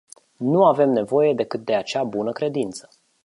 Nu avem nevoie decât de acea bună-credință.